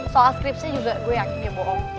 soal skripsi juga gue yakin ya bohong